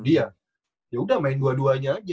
dia yaudah main dua duanya aja